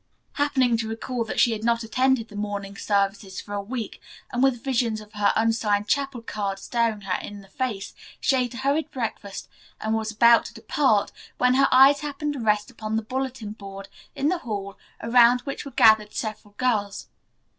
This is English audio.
Happening to recall that she had not attended the morning services for a week, and with visions of her unsigned chapel card staring her in the face, she ate a hurried breakfast and was about to depart when her eyes happened to rest upon the bulletin board in the hall around which were gathered several girls.